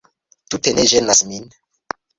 Tute ne ĝenas min